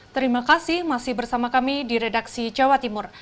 terima kasih masih bersama kami di redaksi jawa timur